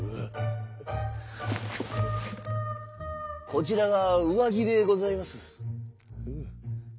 「こちらがうわぎでございます」。